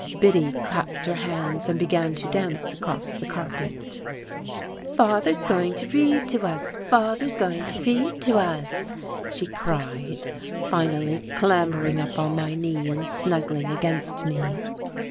Biddy clapped her hands, and began to dance across the carpet. "Father's going to read to us, father's going to read to us," she cried, finally clambering up on my knee and snuggling against me.